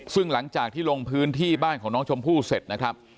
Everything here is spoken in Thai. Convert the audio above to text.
ซึ่งหลังจากที่ลงพื้นที่บ้านของน้องชมพู่เสร็จนะครับ